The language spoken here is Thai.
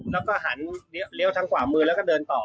แล้วก็หันเลี้ยวทางขวามือแล้วก็เดินต่อ